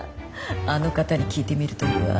あの方に聞いてみるといいわ。